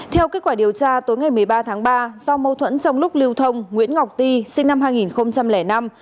theo kết quả điều tra tối ngày một mươi ba tháng ba do mâu thuẫn trong lúc lưu thông nguyễn ngọc ti sinh năm hai nghìn năm